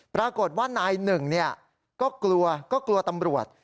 ปรากฏว่านายหนึ่งก็กลัวตำรวจ